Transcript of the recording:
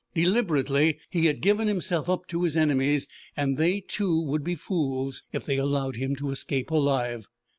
Deliberately he had given himself up to his enemies. They, too, would be fools if they allowed him to escape alive.